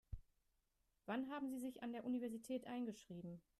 Wann haben Sie sich an der Universität eingeschrieben?